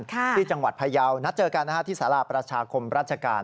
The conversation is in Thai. ที่จังหวัดพยาวนัดเจอกันที่สาราประชาคมราชการ